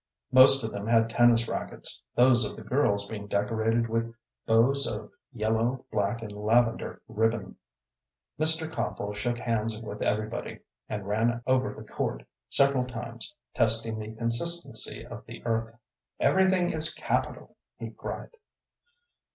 Most of them had tennis racquets, those of the girls being decorated with bows of yellow, black, and lavender ribbon. Mr. Copple shook hands with everybody, and ran over the court several times, testing the consistency of the earth. "Everything is capital!" he cried.